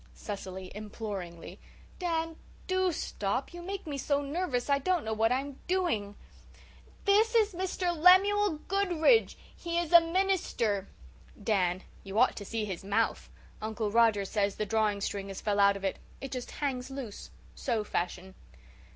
'" CECILY, IMPLORINGLY: "(Dan, do stop. You make me so nervous I don't know what I'm doing.) This is Mr. Lemuel Goodridge. He is a minister." DAN: "You ought to see his mouth. Uncle Roger says the drawing string has fell out of it. It just hangs loose so fashion."